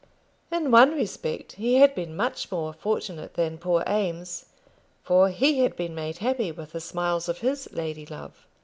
In one respect he had been much more fortunate than poor Eames, for he had been made happy with the smiles of his lady love.